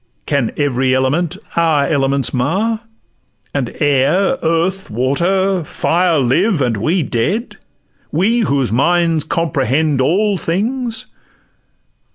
Can every element our elements mar? And air—earth—water—fire live—and we dead? We whose minds comprehend all things?